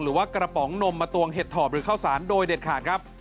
หรือว่ากระป๋องนมมาตวงเห็ดถอบหรือข้าวสารโดยเด็ดขาดครับ